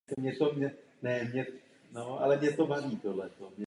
Na tom je založena diskuse v Evropě.